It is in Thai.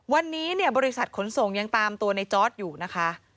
วันนี้เนี่ยบริษัทขนส่งยังตามตัวในจอร์ดอยู่นะคะ